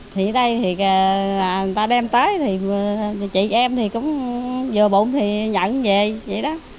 thì đây thì người ta đem tới thì chị em thì cũng vừa bụng thì nhận về vậy đó